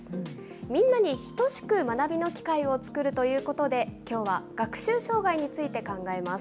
みんなにひとしく学びの機会を作るということで、きょうは、学習障害について考えます。